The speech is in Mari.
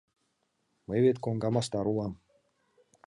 Мый вет коҥга мастар улам.